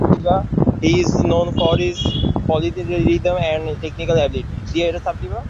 He is known for his polyrhythms and technical ability.